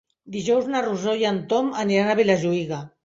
Dijous na Rosó i en Tom aniran a Vilajuïga.